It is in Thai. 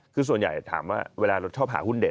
คือส่วนใหญ่ถามว่าเวลาเราชอบหาหุ้นเด็